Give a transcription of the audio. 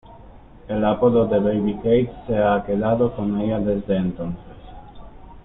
El apodo de "Baby Kate" se ha quedado con ella desde entonces.